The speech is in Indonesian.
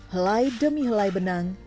helai demi helai benang